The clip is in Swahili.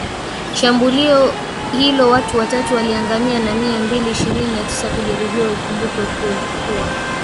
shambulio hilo watu watatu waliangamia na mia mbili ishirini na tisa kujeruhiwa Ikumbukwe kuwa